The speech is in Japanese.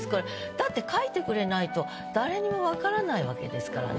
だって書いてくれないと誰にも分からないわけですからね。